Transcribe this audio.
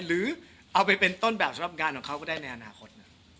หรือเอาไปเป็นต้นแบบสำหรับงานของเขาก็ได้ในอนาคต